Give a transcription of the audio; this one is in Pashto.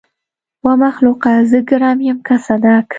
ومخلوقه! زه ګرم يم که صدک.